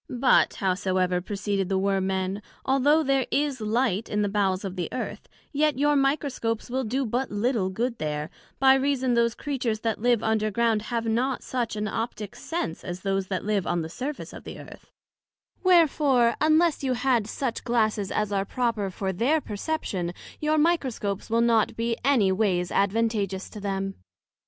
But howsoever, proceeded the Worm men, although there is light in the bowels of the Earth, yet your Microscopes will do but little good there, by reason those Creatures that live under ground have not such an optick sense as those that live on the surface of the Earth: wherefore, unless you had such Glasses as are proper for their perception, your Microscopes will not be any ways advantagious to them.